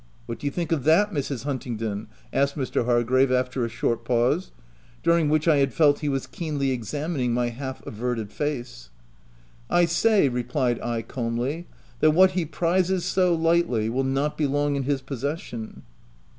— What do you think of that, Mrs. Huntingdon?" asked Mr. Hargrave, after a short pause, during which I had felt he was keenly examining my half averted face. " I say," replied J, calmly, " that what he prizes so lightly, will not be long in his pos session."